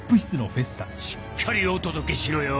しっかりお届けしろよ。